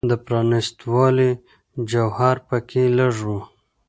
د پرانیستوالي جوهر په کې لږ و.